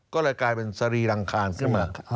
ก็เลยกลายเป็นสรีรังคารขึ้นมา